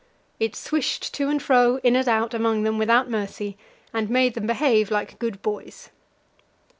It swished to and fro, in and out, among them without mercy, and made them behave like good boys.